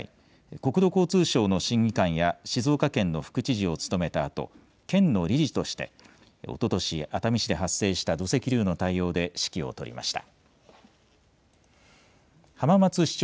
国土交通省の審議官や、静岡県の副知事を務めたあと、県の理事として、おととし、熱海市で発生した土石流の対応で指揮を執りました。